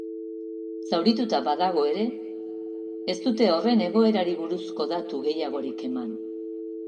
Zaurituta badago ere, ez dute horren egoerari buruzko datu gehiagorik eman.